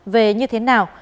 về như thế nào